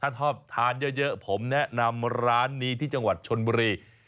ถ้าชอบทานเยอะผมแนะนำร้านนี้ที่จังหวัดชนบุรี